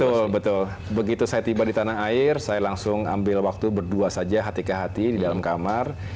betul betul begitu saya tiba di tanah air saya langsung ambil waktu berdua saja hati ke hati di dalam kamar